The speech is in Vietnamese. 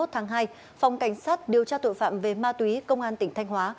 hai mươi tháng hai phòng cảnh sát điều tra tội phạm về ma túy công an tỉnh thanh hóa